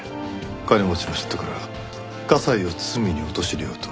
金持ちへの嫉妬から加西を罪に陥れようと。